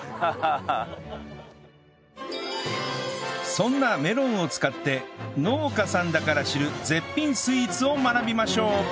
そんなメロンを使って農家さんだから知る絶品スイーツを学びましょう！